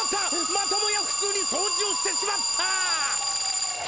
またもやふつうに掃除をしてしまった！